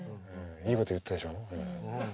いいこと言ったでしょう。